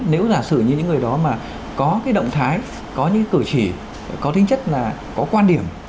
nếu giả sử như những người đó mà có cái động thái có những cử chỉ có tính chất là có quan điểm